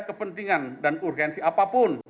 kepentingan dan urgensi apapun